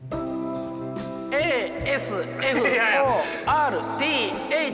ＡＳＦＯＲＴＨ。